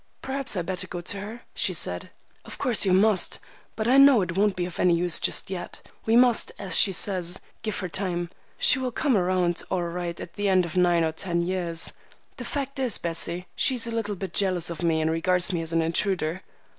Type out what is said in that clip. "Perhaps I had better go to her?" she said. "Of course you must. But I know it won't be of any use just yet. We must, as she says, give her time. She will come around all right at the end of nine or ten years. The fact is, Bessie, she's a little bit jealous of me and regards me as an intruder."